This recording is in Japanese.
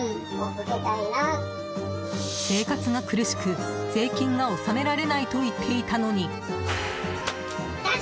生活が苦しく、税金が納められないと言っていたのに。